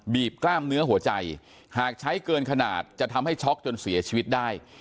กล้ามเนื้อหัวใจหากใช้เกินขนาดจะทำให้ช็อกจนเสียชีวิตได้